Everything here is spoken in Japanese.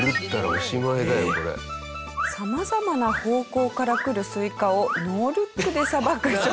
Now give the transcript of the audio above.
さまざまな方向から来るスイカをノールックでさばく職人さん。